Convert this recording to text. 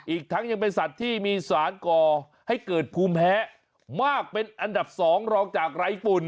อีกทั้งยังเป็นสัตว์ที่มีสารก่อให้เกิดภูมิแพ้มากเป็นอันดับ๒รองจากไร้ฝุ่น